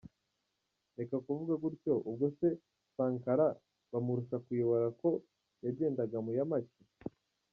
reka kuvuga gutyo ubwo se Sankara bamurusha kuyobora ko yagendaga muyamake?